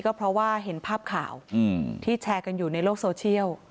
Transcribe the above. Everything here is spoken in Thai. ก็เพราะว่าเห็นภาพข่าวที่แชร์กันอยู่ในโลกโซเชียล